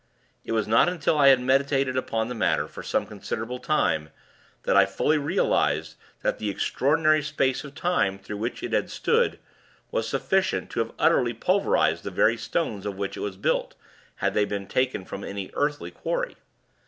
It was not until I had meditated upon the matter, for some considerable time, that I fully realized that the extraordinary space of time through which it had stood, was sufficient to have utterly pulverized the very stones of which it was built, had they been taken from any earthly quarry.